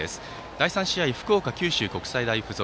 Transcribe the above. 第３試合福岡・九州国際大付属